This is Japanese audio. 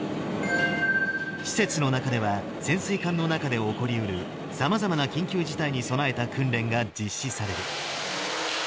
施設の中では、潜水艦の中で起こりうる、さまざまな緊急事態に備えた訓練が実施される。